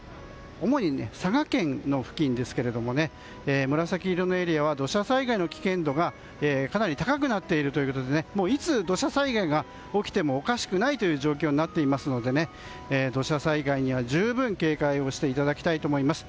主に佐賀県の付近ですが紫色のエリアは土砂災害の危険度がかなり高くなっているということでいつ土砂災害が起きてもおかしくない状況になっていますので土砂災害には十分、警戒をしていただきたいと思います。